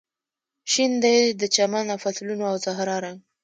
شین دی د چمن او فصلونو او زهرا رنګ